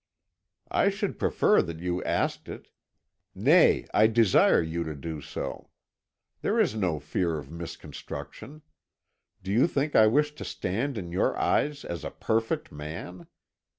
"I should prefer that you asked it nay, I desire you to do so. There is no fear of misconstruction. Do you think I wish to stand in your eyes as a perfect man?